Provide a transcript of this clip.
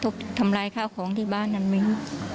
แต่อารวาสทำลายข้าวของที่บ้านนั้นมี